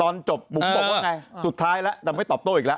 ตอนจบบุ๋มบอกว่าไงสุดท้ายแล้วแต่ไม่ตอบโต้อีกแล้ว